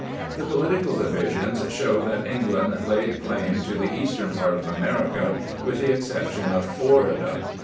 The political divisions show that England laid claim to the eastern part of America, with the exception of Florida.